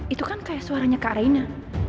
itu kan kaya suaranya kak raina